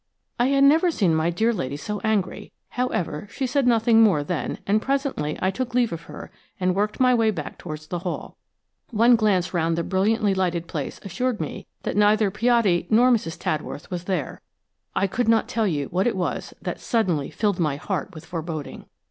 I had never seen my dear lady so angry; however, she said nothing more then, and presently I took leave of her and worked my way back towards the hall. One glance round the brilliantly lighted place assured me that neither Piatti nor Mrs. Tadworth was there. I could not tell you what it was that suddenly filled my heart with foreboding.